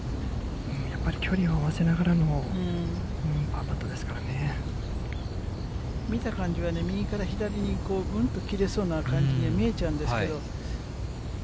やっぱり距離を合わせながらのパ見た感じは、右から左にぐんと切れそうな感じに見えちゃうんですけど。